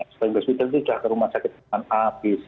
shopping di hospital itu sudah ke rumah sakit pemerintah